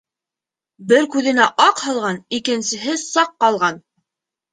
Бер күҙенә аҡ һалған, икенсеһе саҡ ҡалған.